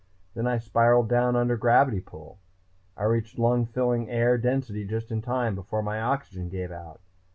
"Then I spiraled down under gravity pull. I reached lung filling air density just in time, before my oxygen gave out.